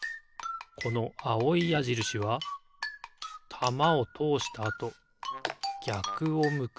このあおいやじるしはたまをとおしたあとぎゃくを向く。